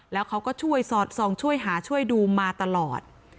แล้วเขาก็ช่วยสอดส่องช่วยหาช่วยดูมาตลอด